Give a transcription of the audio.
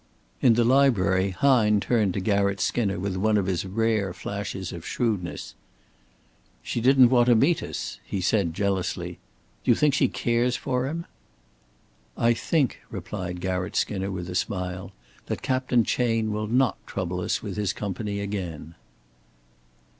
In the library Hine turned to Garratt Skinner with one of his rare flashes of shrewdness. "She didn't want to meet us," he said, jealously. "Do you think she cares for him?" "I think," replied Garratt Skinner with a smile, "that Captain Chayne will not trouble us with his company again."